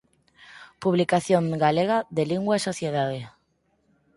Publicación galega de lingua e sociedade".